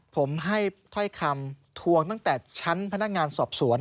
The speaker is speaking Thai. ผมให้ถ้อยคำทวงตั้งแต่ชั้นพนักงานสอบสวน